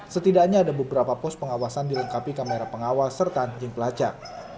setidaknya ada beberapa pos pengawasan dilengkapi kamera pengawas serta anjing pelacak